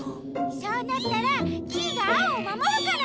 そうなったらキイがアオをまもるから！